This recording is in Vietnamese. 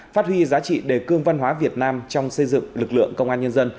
phát huy giá trị đề cương văn hóa việt nam trong xây dựng lực lượng công an nhân dân